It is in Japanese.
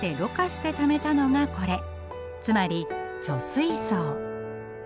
つまり貯水槽。